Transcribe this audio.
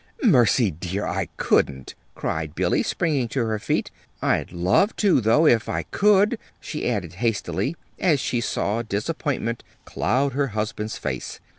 "Mercy! dear, I couldn't," cried Billy springing to her feet. "I'd love to, though, if I could," she added hastily, as she saw disappointment cloud her husband's face.